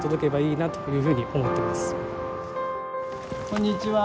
こんにちは。